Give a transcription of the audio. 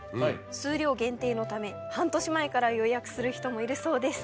数量限定のため半年前から予約する人もいるそうです。